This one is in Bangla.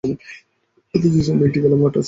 মাদ্রাসার সামনে একটি খেলার মাঠ রয়েছে।